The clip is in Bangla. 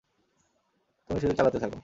তুমি শুধু চালাতে থাকো!